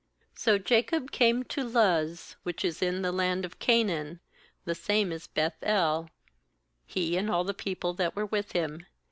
6So Jacob came to Luz, which is in the land of Canaan — the same is Beth el — he and all the people that were with him.